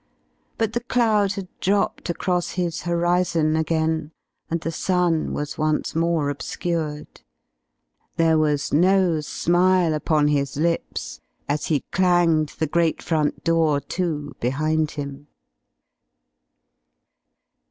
But the cloud had dropped across his horizon again, and the sun was once more obscured. There was no smile upon his lips as he clanged the great front door to behind him.